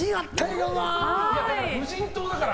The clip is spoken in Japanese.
ほら、無人島だから。